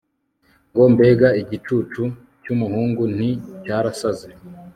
ngo mbega igicucu cy'umuhungu nti cyarasaze